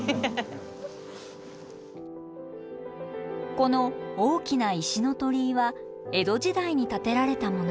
この大きな石の鳥居は江戸時代に建てられたもの。